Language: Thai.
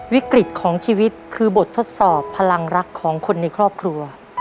วิกฤตของชีวิตคือบททดสอบพลังรักของคนในครอบครัว